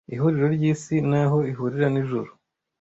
ihuriro ry’isi naho ihurira n’ijuru